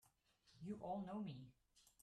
You all know me!